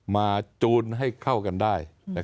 จูนให้เข้ากันได้